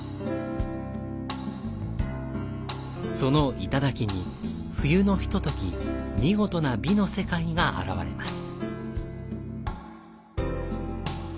そのいただきに冬のひととき、見事な美の世界が現れます。